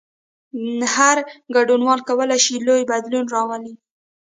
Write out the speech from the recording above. هر ګډونوال کولای شي لوی بدلون راولي.